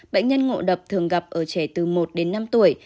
bệnh nhân ngộ độc thường gặp ở trẻ từ một đến năm tuổi